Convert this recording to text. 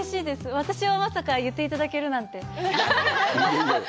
私はまさか言っていただけるなんて。